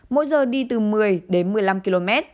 mỗi giờ đi từ một mươi đến một mươi năm km